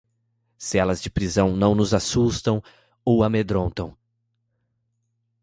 Celas de prisão não nos assustam ou amedrontam